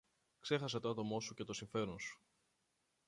Ξέχασε το άτομο σου και το συμφέρον σου